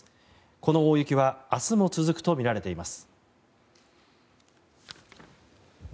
この大雪は明日も続くとみられています。